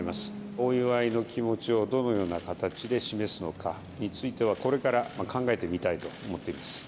お祝いの気持ちをどのような形で示すのかについては、これから考えてみたいと思っています。